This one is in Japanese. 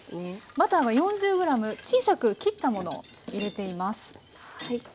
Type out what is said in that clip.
バターが４０ｇ小さく切ったものを入れています。